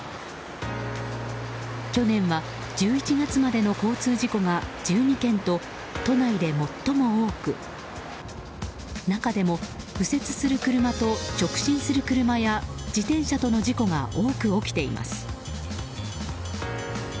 去年は１１月までの交通事故が１２件と都内で最も多く中でも右折する車と直進する車や自転車との事故が多く起きています。